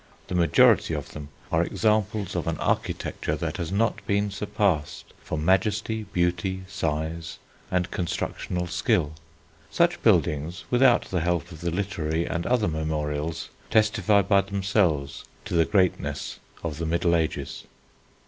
The majority of them are examples of an architecture that has not been surpassed for majesty, beauty, size, and constructional skill. Such buildings, without the help of the literary and other memorials, testify by themselves to the greatness of the Middle Ages.